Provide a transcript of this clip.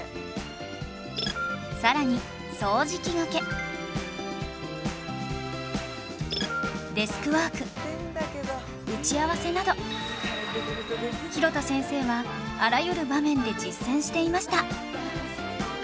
さらにデスクワーク打ち合わせなど廣田先生はあらゆる場面で実践していました